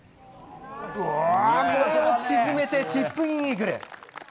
これを沈めてチップインイーグル！